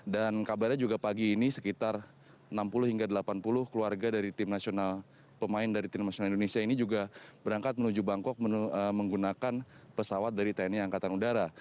dan kabarnya juga pagi ini sekitar enam puluh hingga delapan puluh keluarga dari tim nasional pemain dari tim nasional indonesia ini juga berangkat menuju bangkok menggunakan pesawat dari tni angkatan udara